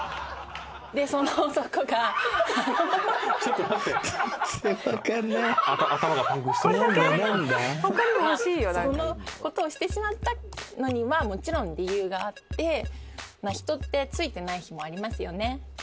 その男がそのことをしてしまったのにはもちろん理由があって人ってついてない日もありますよね